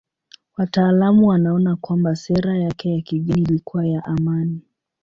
Wataalamu wanaona kwamba sera yake ya kigeni ilikuwa ya amani.